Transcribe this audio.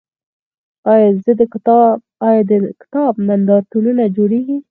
آیا د کتاب نندارتونونه جوړیږي؟